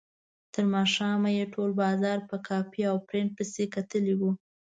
تر ماښامه یې ټول بازار په کاپي او پرنټ پسې کتلی و.